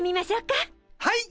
はい！